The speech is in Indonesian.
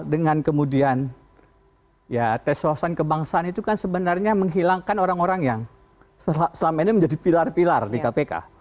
dengan kemudian ya tes wawasan kebangsaan itu kan sebenarnya menghilangkan orang orang yang selama ini menjadi pilar pilar di kpk